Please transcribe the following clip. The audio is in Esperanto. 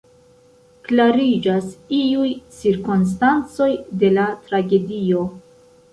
Klariĝas iuj cirkonstancoj de la tragedio.